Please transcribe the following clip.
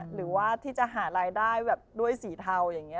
หรือว่าที่จะหารายได้แบบด้วยสีเทาอย่างนี้